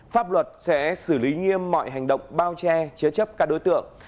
pháp luật sẽ xử lý nghiêm mọi hành động bao che chế chấp các đối tượng